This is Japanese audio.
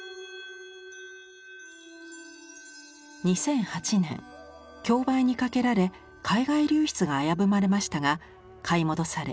２００８年競売にかけられ海外流出が危ぶまれましたが買い戻され